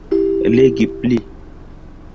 Legi pli.